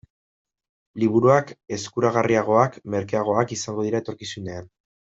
Liburuak eskuragarriagoak, merkeagoak, izango dira etorkizunean.